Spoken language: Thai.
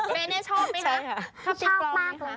เบเน่ชอบไหมคะชอบมาก